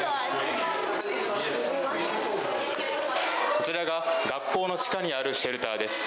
こちらが学校の地下にあるシェルターです。